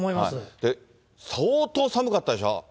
相当寒かったでしょう。